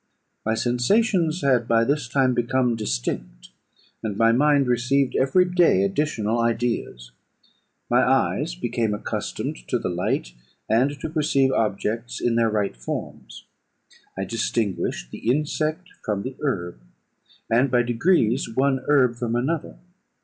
My sensations had, by this time, become distinct, and my mind received every day additional ideas. My eyes became accustomed to the light, and to perceive objects in their right forms; I distinguished the insect from the herb, and, by degrees, one herb from another.